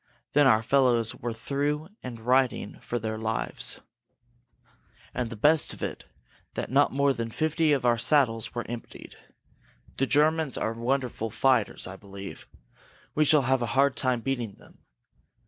Then our fellows were through and riding for our lines. And the best of it was that not more than fifty of our saddles were emptied. The Germans are wonderful fighters, I believe. We shall have a hard time beating them.